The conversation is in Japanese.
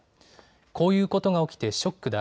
こういうことが起きてショックだ。